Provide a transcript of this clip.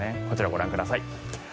こちら、ご覧ください。